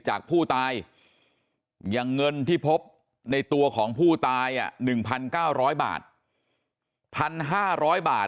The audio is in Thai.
จากผู้ตายอย่างเงินที่พบในตัวของผู้ตาย๑๙๐๐บาท๑๕๐๐บาท